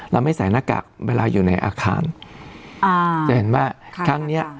เราไม่ใส่หน้ากากเวลาอยู่ในอาคารอ่าจะเห็นว่าครั้งเนี้ย